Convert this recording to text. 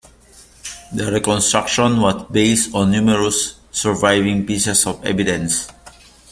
The reconstruction was based on numerous surviving pieces of evidence.